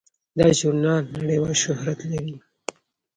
دا ژورنال نړیوال شهرت لري.